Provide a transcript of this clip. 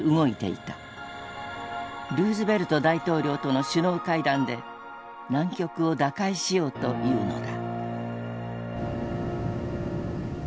ルーズベルト大統領との首脳会談で難局を打開しようというのだ。